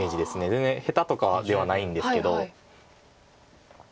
全然下手とかではないんですけど。